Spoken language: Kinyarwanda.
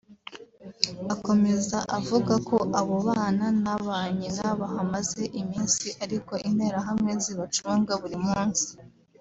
Akomeza avuga ko abo bana na ba nyina bahamaze iminsi ariko Interahamwe zibacunga buri munsi